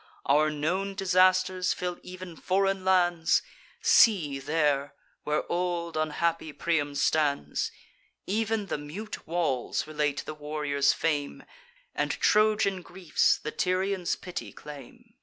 Our known disasters fill ev'n foreign lands: See there, where old unhappy Priam stands! Ev'n the mute walls relate the warrior's fame, And Trojan griefs the Tyrians' pity claim."